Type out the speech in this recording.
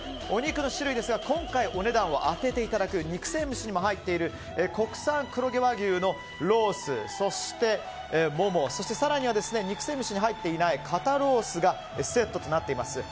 お肉の種類ですが今回お値段を当てていただく肉鮮蒸しにも入っている国産黒毛和牛のロースそして、モモそして更には肉鮮蒸しに入っていない肩ロースがセットとなっています。